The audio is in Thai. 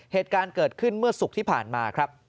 เหตุการณ์เกิดขึ้นเมื่อศุกร์ที่ผ่านมาครับ